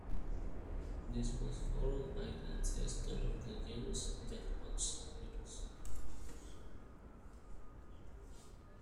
This was followed by the ancestor of the genus Yatapoxvirus.